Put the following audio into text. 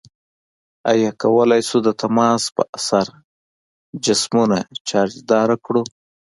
آیا کولی شو د تماس په اثر جسمونه چارج داره کړو؟